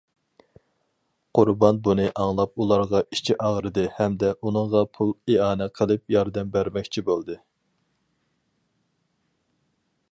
قۇربان بۇنى ئاڭلاپ ئۇلارغا ئىچى ئاغرىدى ھەمدە ئۇنىڭغا پۇل ئىئانە قىلىپ ياردەم بەرمەكچى بولدى.